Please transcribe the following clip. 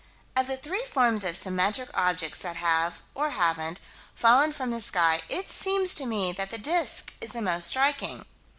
Of the three forms of symmetric objects that have, or haven't, fallen from the sky, it seems to me that the disk is the most striking.